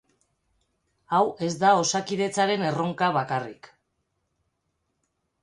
Hau ez da Osakidetzaren erronka bakarrik.